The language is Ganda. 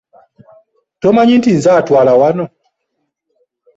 Tomanyi nti nze ntwala wano?